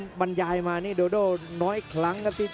โอ้โหไม่พลาดกับธนาคมโด้แดงเขาสร้างแบบนี้